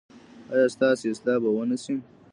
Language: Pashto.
ایا ستاسو اصلاح به و نه شي؟